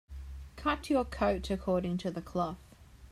Cut your coat according to the cloth.